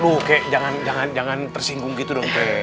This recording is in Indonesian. lu kakek jangan jangan jangan tersinggung gitu dong kakek